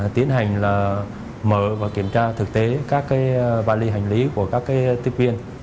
tiến hành mở và kiểm tra thực tế các vali hành lý của các tiếp viên